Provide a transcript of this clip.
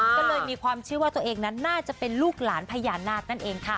ก็เลยมีความเชื่อว่าตัวเองนั้นน่าจะเป็นลูกหลานพญานาคนั่นเองค่ะ